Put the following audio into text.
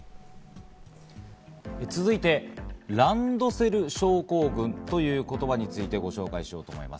続いてランドセル症候群という言葉についてご紹介しようと思います。